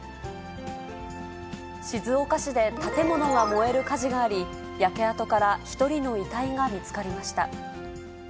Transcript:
静岡市で建物が燃える火事があり、焼け跡から１人の遺体が見つかりました。